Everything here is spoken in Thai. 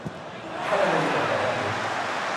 ถ้าเป็นบริบทก่อนหน้านี้